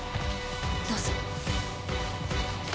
どうぞ。